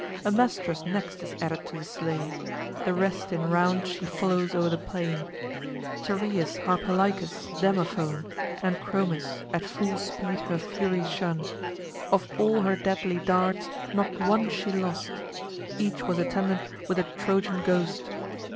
Amastrus next is added to the slain: The rest in rout she follows o'er the plain: Tereus, Harpalycus, Demophoon, And Chromis, at full speed her fury shun. Of all her deadly darts, not one she lost; Each was attended with a Trojan ghost.